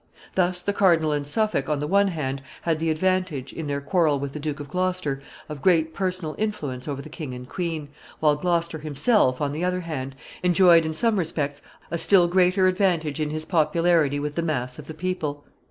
Thus the cardinal and Suffolk, on the one hand, had the advantage, in their quarrel with the Duke of Gloucester, of great personal influence over the king and queen, while Gloucester himself, on the other hand, enjoyed in some respects a still greater advantage in his popularity with the mass of the people.